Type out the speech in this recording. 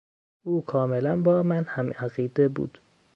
او کاملا با من هم عقیده بود.